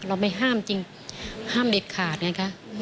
เราไม่ห้ามจริงห้ามเด็ดขาดไงคะ